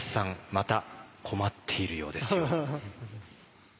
また困っているようですよ。